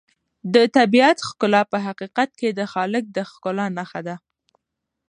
د طبیعت ښکلا په حقیقت کې د خالق د ښکلا نښه ده.